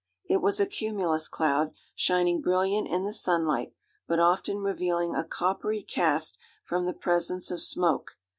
It was a cumulus cloud, shining brilliant in the sunlight, but often revealing a coppery cast from the presence of smoke.